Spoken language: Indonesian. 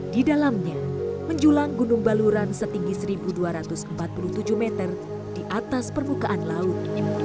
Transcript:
di dalamnya menjulang gunung baluran setinggi satu dua ratus empat puluh tujuh meter di atas permukaan laut